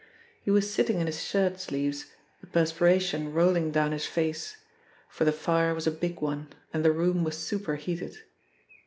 He was sitting in his shirt sleeves, the perspiration rolling down his face, for the fire was a big one and the room was super heated.